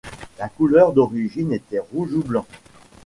La couleur d'origine était rouge ou blanc.